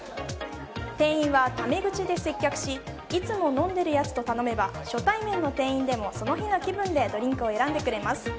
店員はタメ口で接客しいつも飲んでいるやつと頼めば初対面の店員でもその日の気分でドリンクを選んでくれます。